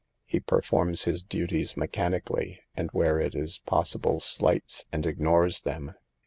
He performs his duties mechanically, and where it is possible slights and ignores them.